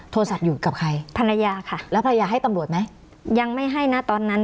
โทรศัพท์อยู่กับใครภรรยาค่ะแล้วภรรยาให้ตำรวจไหมยังไม่ให้นะตอนนั้น